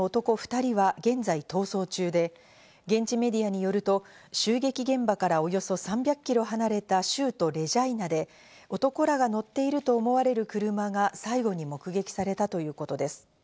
２人は現在逃走中で、現地メディアによると襲撃現場からおよそ３００キロ離れた州都・レジャイナで男らが乗っていると思われる車が最後に目撃されたということです。